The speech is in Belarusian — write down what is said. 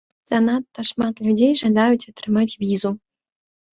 Занадта шмат людзей жадаюць атрымаць візу.